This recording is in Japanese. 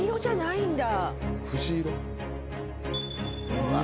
うわ！